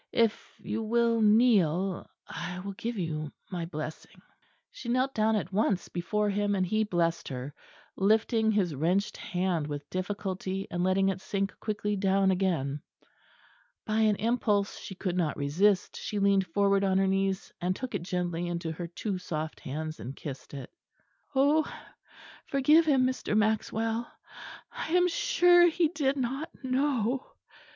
If you will kneel, I will give you my blessing." She knelt down at once before him, and he blessed her, lifting his wrenched hand with difficulty and letting it sink quickly down again. By an impulse she could not resist she leaned forward on her knees and took it gently into her two soft hands and kissed it. "Oh! forgive him, Mr. Maxwell; I am sure he did not know."